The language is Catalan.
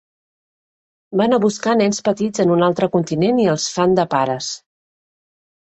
Van a buscar nens petits en un altre continent i els fan de pares.